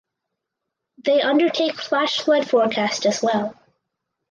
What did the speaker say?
They undertake flash flood forecast as well.